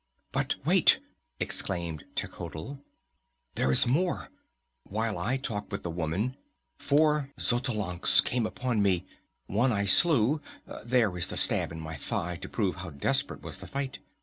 "But wait!" exclaimed Techotl. "There is more! While I talked with the woman, four Xotalancas came upon us! One I slew there is the stab in my thigh to prove how desperate was the fight.